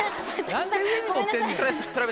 何で上に持ってんねん。